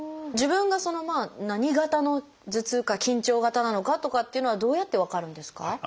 自分が何型の頭痛か緊張型なのかとかというのはどうやって分かるんですか？